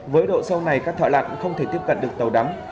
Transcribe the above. với độ sâu này các thợ lặn không thể tiếp cận được tàu đắm